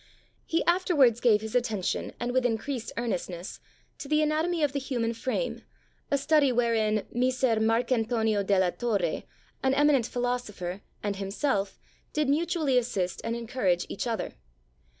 ... He afterwards gave his attention, and with increased earnestness, to the anatomy of the human frame, a study wherein Messer Marcantonio della Torre, an eminent philosopher, and himself, did mutually assist and en courage each other.